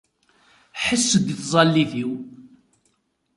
Ḥess-d i tẓallit-iw!